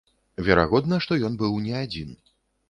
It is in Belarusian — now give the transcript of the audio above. Верагодна, што ён быў не адзін.